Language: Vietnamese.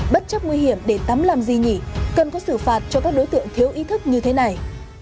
bất chấp nguy hiểm để tắm làm gì nhỉ cần có xử phạt cho các đối tượng thiếu ý thức như thế này